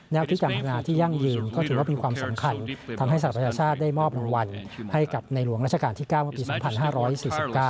แนวพิจารณาที่ยั่งยืนก็ถือว่าเป็นความสำคัญทำให้สัตว์ประชาชาได้มอบรางวัลให้กับในหลวงราชการที่๙ปี๑๕๔๙